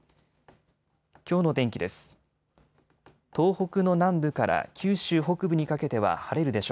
きょうの天気です。